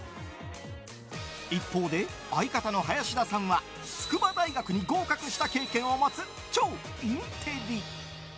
一方で、相方の林田さんは筑波大学に合格した経験を持つ超インテリ！